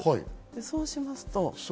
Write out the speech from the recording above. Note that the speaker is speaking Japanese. そうしますと。